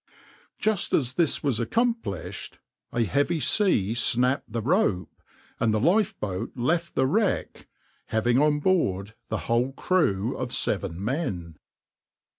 \par Just as this was accomplished, a heavy sea snapped the rope, and the lifeboat left the wreck, having on board the whole crew of seven men.